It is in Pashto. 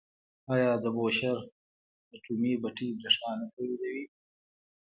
آیا د بوشهر اټومي بټۍ بریښنا نه تولیدوي؟